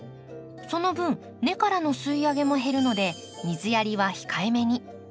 その分根からの吸い上げも減るので水やりは控えめに。